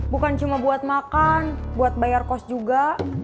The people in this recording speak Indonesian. bukan cuma buat makan buat bayar kos juga